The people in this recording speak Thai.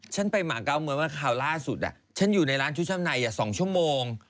ฉันไปหม่าเกาะเมื่อวานคร่าวล่าสุดอ่ะฉันอยู่ในร้านชุชำนัยอ่ะ๒ชั่วโมง